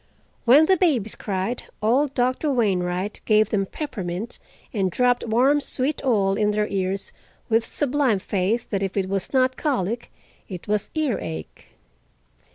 When the babies cried, old Doctor Wainwright gave them peppermint and dropped warm sweet oil in their ears with sublime faith that if it was not colic it was earache.